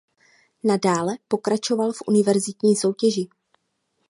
Nadále pokračoval v univerzitní soutěži.